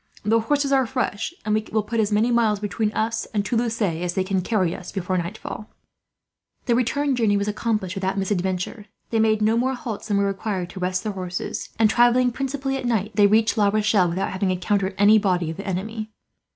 The horses are fresh, and we will put as many miles between us and Toulouse as they can carry us, before nightfall." The return journey was accomplished without misadventure. They made no more halts than were required to rest their horses and, travelling principally at night, they reached La Rochelle without having encountered any body of the enemy.